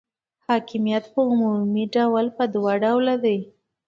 حاکمیت په عمومي ډول په دوه ډوله دی.